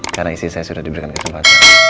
karena istri saya sudah diberikan kesempatan